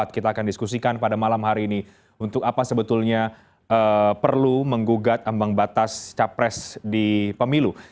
kita akan diskusikan pada malam hari ini untuk apa sebetulnya perlu menggugat ambang batas capres di pemilu